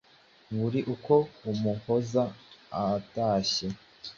buri uko Umuhoza atashye